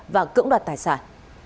và cưỡng đoạt tài sản